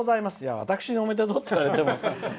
私におめでとうって言われても。